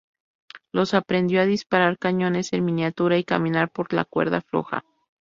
Los aprendió a disparar cañones en miniatura y caminar por la cuerda floja.